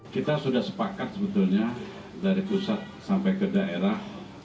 kita sudah sepakat sebetulnya dari pusat sampai ke daerah